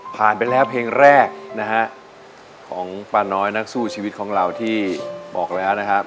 ไปแล้วเพลงแรกนะฮะของป้าน้อยนักสู้ชีวิตของเราที่บอกแล้วนะครับ